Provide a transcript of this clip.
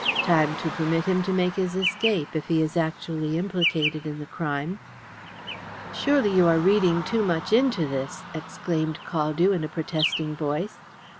Time to permit him to make his escape, if he is actually implicated in the crime." "Surely you are reading too much into this," exclaimed Caldew in a protesting voice.